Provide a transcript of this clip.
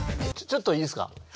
ちょっといいっすか。